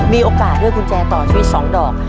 มีโอกาสเลือกกุญแจต่อชีวิต๒ดอก